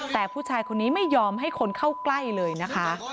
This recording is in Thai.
แต่ผู้ชายคนนี้ไม่ยอมให้คนเข้าใกล้เลยนะคะ